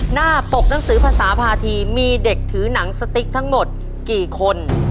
หน้าปกหนังสือภาษาภาษีมีเด็กถือหนังสติ๊กทั้งหมดกี่คน